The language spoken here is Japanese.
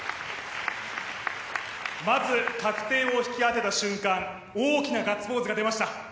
まず確定を引き当てた瞬間、大きなガッツポーズが出ました。